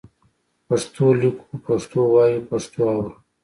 پښتو لیکو، پښتو وایو، پښتو اورو.